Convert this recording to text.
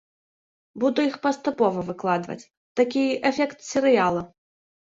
Буду іх паступова выкладваць, такі эфект серыяла.